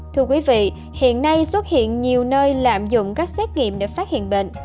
thưa quý vị hiện nay xuất hiện nhiều nơi lạm dụng các xét nghiệm để phát hiện bệnh